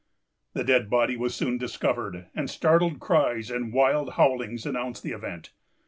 The dead body was soon discovered, and startled cries and wild howlings announced the event.